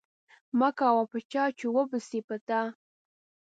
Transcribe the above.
مه کوه په چا چی اوبه شی په تا.